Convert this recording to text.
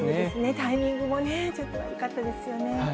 タイミングもね、ちょっと悪かったですよね。